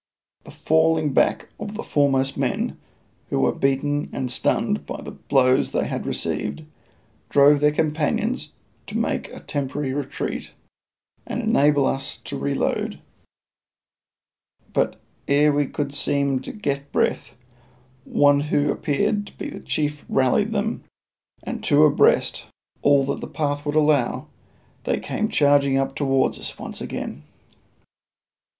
The falling back of the foremost men, who were beaten and stunned by the blows they had received, drove their companions to make a temporary retreat, and enabled us to reload; but ere we could seem to get breath, one who appeared to be a chief rallied them, and two abreast, all that the path would allow, they came charging up towards us once again.